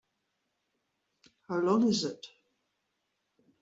How long is it?